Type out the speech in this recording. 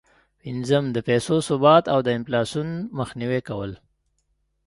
پنځم: د پیسو ثبات او د انفلاسون مخنیوی کول.